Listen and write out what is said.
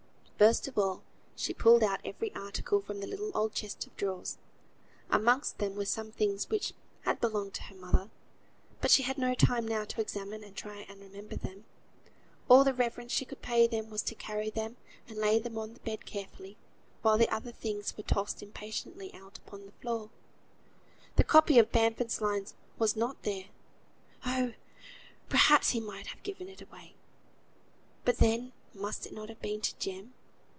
First of all she pulled out every article from the little old chest of drawers. Amongst them were some things which had belonged to her mother, but she had no time now to examine and try and remember them. All the reverence she could pay them was to carry them and lay them on the bed carefully, while the other things were tossed impatiently out upon the floor. The copy of Bamford's lines was not there. Oh! perhaps he might have given it away; but then must it not have been to Jem?